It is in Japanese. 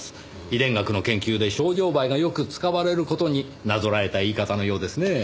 遺伝学の研究でショウジョウバエがよく使われる事になぞらえた言い方のようですねぇ。